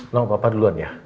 lalu papa duluan ya